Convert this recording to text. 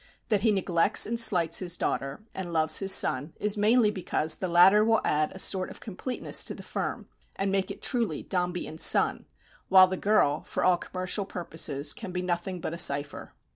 That he neglects and slights his daughter, and loves his son, is mainly because the latter will add a sort of completeness to the firm, and make it truly Dombey and Son, while the girl, for all commercial purposes, can be nothing but a cipher.